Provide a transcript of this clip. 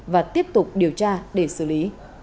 và tiếp tục điều tra để xử lý